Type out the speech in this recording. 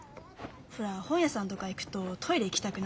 ほら本屋さんとか行くとトイレ行きたくなるじゃん？